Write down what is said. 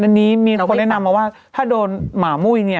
อันนี้มีคนแนะนำมาว่าถ้าโดนหมามุ้ยเนี่ย